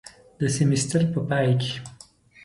د سیمیستر په پای کې